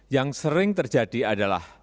yang sering terjadi adalah